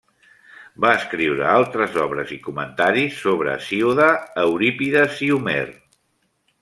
Va escriure altres obres i comentaris sobre Hesíode, Eurípides i Homer.